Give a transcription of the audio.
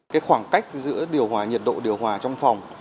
cái khoảng cách giữa điều hòa nhiệt độ điều hòa trong phòng